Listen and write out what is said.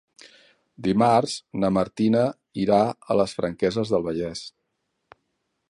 Dimarts na Martina irà a les Franqueses del Vallès.